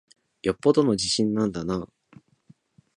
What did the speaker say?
よっぽどの自信なんだなぁ。